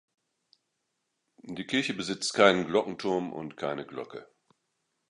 Die Kirche besitzt keinen Glockenturm und keine Glocke.